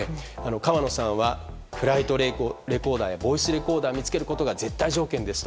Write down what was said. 河野さんはフライトレコーダーやボイスレコーダーを見つけることが絶対条件ですと。